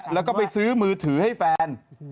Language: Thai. แล้วก็ไปซื้อมือถือให้แฟน